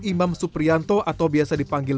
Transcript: imam suprianto atau biasa dipanggil